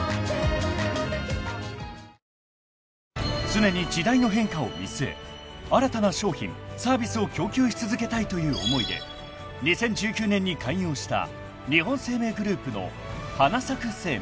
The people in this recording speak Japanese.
［常に時代の変化を見据え新たな商品サービスを供給し続けたいという思いで２０１９年に開業した日本生命グループのはなさく生命］